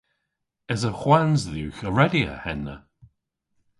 Esa hwans dhywgh a redya henna?